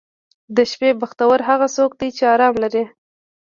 • د شپې بختور هغه څوک دی چې آرام لري.